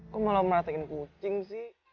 kok malah merhatiin kucing sih